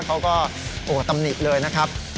เขาก็โอ้ตำหนิเลยนะครับ